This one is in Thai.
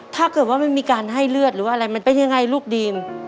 ถ้าเกิดว่ามันมีการให้เลือดหรือว่าอะไรมันเป็นยังไงลูกดีม